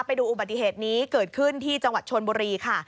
ไปดูอุบัติเหตุนี้เกิดขึ้นที่จังหวัดชนบุรีค่ะ